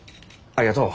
ありがとう。